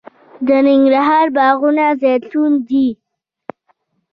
د ننګرهار باغونه زیتون دي